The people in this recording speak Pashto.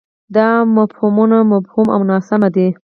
دا مفهومونه مبهم او ناسم دي.